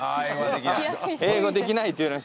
英語できないって。